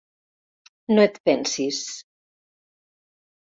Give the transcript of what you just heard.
No et pensis...